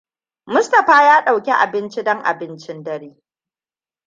Mustapha ya ɗauki abinci don abincin dare.